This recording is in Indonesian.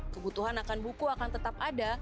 kebutuhan akan buku akan tetap ada